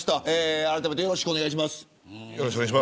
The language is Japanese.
あらためてよろしくお願いします。